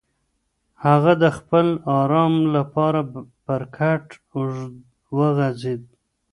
هغه د خپل ارام لپاره پر کټ اوږد وغځېد.